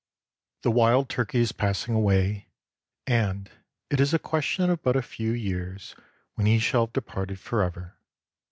The wild turkey is passing away, and it is a question of but few years when he shall have departed forever.